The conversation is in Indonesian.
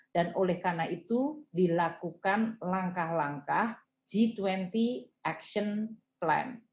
dan oleh karena itu dilakukan langkah langkah g dua puluh action plan